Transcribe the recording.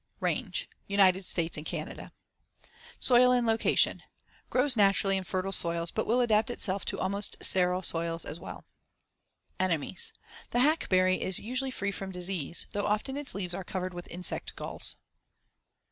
Range: United States and Canada. Soil and location: Grows naturally in fertile soils, but will adapt itself to almost sterile soils as well. Enemies: The hackberry is usually free from disease, though often its leaves are covered with insect galls.